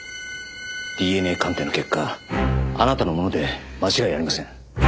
ＤＮＡ鑑定の結果あなたのもので間違いありません。